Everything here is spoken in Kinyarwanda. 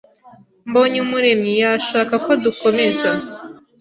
Mbonyumuremyi yashaka ko dukomeza.